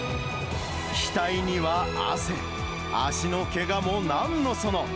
額には汗、足のけがもなんのその。